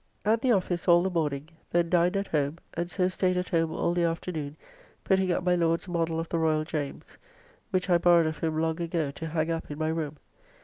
At the office all the morning, then dined at home, and so staid at home all the afternoon putting up my Lord's model of the Royal James, which I borrowed of him long ago to hang up in my room.